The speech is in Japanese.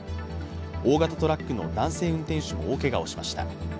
大型トラックの男性運転手も大けがをしました。